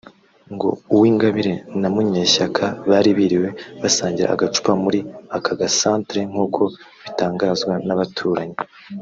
ngo Uwingabire na Munyeshyaka bari biriwe basangira agacupa muri aka gasantire; nk’uko bitangazwa n’abaturanyi